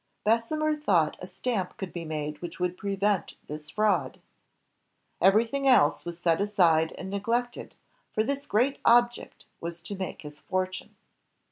Bessemer thought a stamp could be made which would prevent this fraud. Everything else was set aside and neglected, for this great object was to make his fortune.